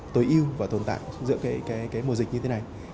tối ưu và tồn tại giữa cái mùa dịch như thế này